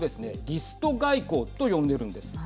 リスト外交と呼んでるんです。